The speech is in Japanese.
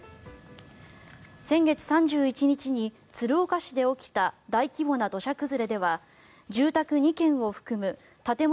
先月３１日に鶴岡市で起きた大規模な土砂崩れでは住宅２軒を含む建物